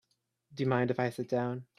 Do you mind if I sit down?